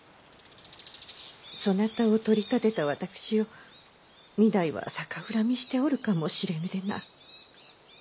そなたを取り立てた私を御台は逆恨みをしておるかもしれぬでな。